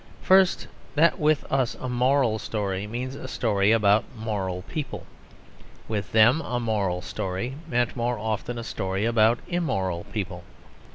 First, that with us a moral story means a story about moral people; with them a moral story meant more often a story about immoral people.